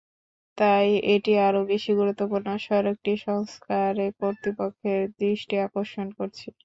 তাই এটি আরও বেশি গুরুত্বপূর্ণ, সড়কটি সংস্কারে কর্তৃপক্ষের দৃষ্টি আকর্ষণ করছি।